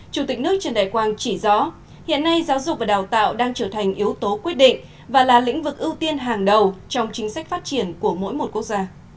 chủ tịch nước trần đại quang chỉ rõ hiện nay giáo dục và đào tạo đang trở thành yếu tố quyết định và là lĩnh vực ưu tiên hàng đầu trong chính sách phát triển của mỗi một quốc gia